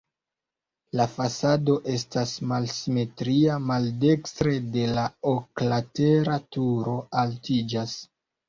La fasado estas malsimetria, maldekstre la oklatera turo altiĝas.